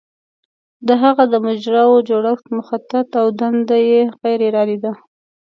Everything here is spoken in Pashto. د هغه د مجراوو جوړښت مخطط او دنده یې غیر ارادي ده.